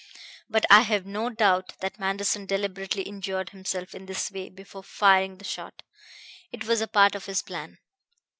But I have no doubt that Manderson deliberately injured himself in this way before firing the shot; it was a part of his plan.